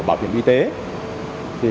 bảo hiểm y tế thì